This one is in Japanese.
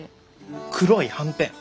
黒いはんぺん。